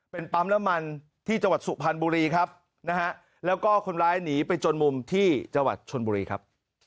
เป็นปั๊มน้ำมันที่จังหวัดสุพรรณบุรีครับนะฮะแล้วก็คนร้ายหนีไปจนมุมที่จังหวัดชนบุรีครับ